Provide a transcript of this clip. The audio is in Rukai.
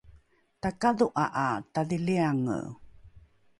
takadho’a ’a tadhiliange